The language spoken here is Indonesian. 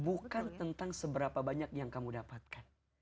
bukan tentang seberapa banyak yang kamu dapatkan